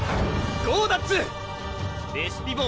ゴーダッツーー！